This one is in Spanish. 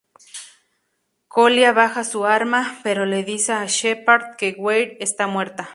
Kolya baja su arma, pero le dice a Sheppard que Weir está muerta.